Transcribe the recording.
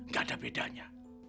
gak ada bedanya